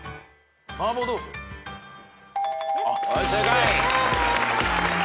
はい正解。